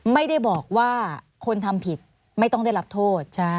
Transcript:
ไม่ได้บอกว่าคนทำผิดไม่ต้องได้รับโทษ